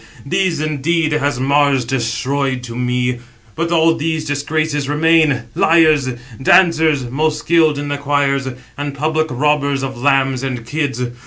These indeed has Mars destroyed to me; but all these disgraces remain, liars, dancers, 785 most skilled in the choirs, and public robbers of lambs and kids.